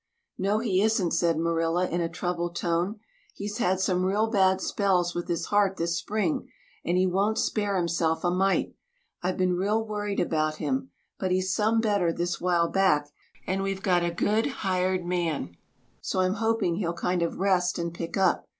"No, he isn't," said Marilla in a troubled tone. "He's had some real bad spells with his heart this spring and he won't spare himself a mite. I've been real worried about him, but he's some better this while back and we've got a good hired man, so I'm hoping he'll kind of rest and pick up.